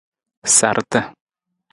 Sarta.